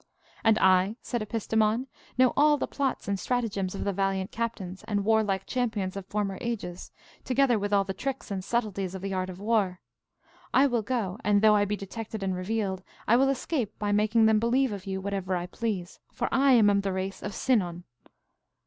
And I, said Epistemon, know all the plots and strategems of the valiant captains and warlike champions of former ages, together with all the tricks and subtleties of the art of war. I will go, and, though I be detected and revealed, I will escape by making them believe of you whatever I please, for I am of the race of Sinon.